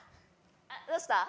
どうした？